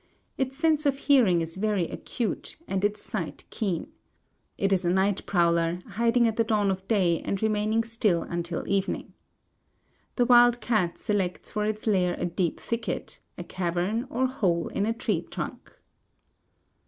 Its sense of hearing is very acute, and its sight keen. It is a night prowler, hiding at the dawn of day, and remaining still until evening. The wild cat selects for its lair a deep thicket, a cavern, or hole in a tree trunk.